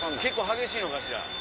激しいのかしら？